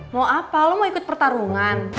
mau apa lo mau ikut pertarungan